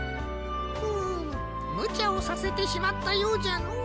うむむちゃをさせてしまったようじゃのう。